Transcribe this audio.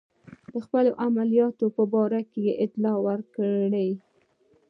د خپلو عملیاتو په باره کې اطلاع راکړئ.